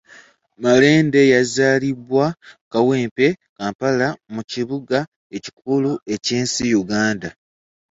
Malende yazaalibwa Kawempe, Kampala, mu kibuga ekikulu eky'ensi Uganda